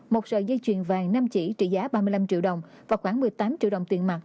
một sợi dây chuyền vàng năm chỉ trị giá ba mươi năm triệu đồng và khoảng một mươi tám triệu đồng tiền mặt